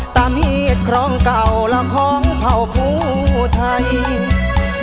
ตามเหตุครองเก่าและพร้อมเภาผู้ไทย